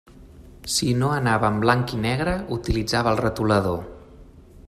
Si no anava en blanc i negre, utilitzava el retolador.